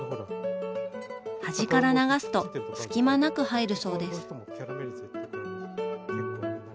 端から流すと隙間なく入るそうです。